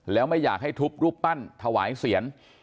แล้วไม่อยากให้ทุบรูปปั้นถวายเสียง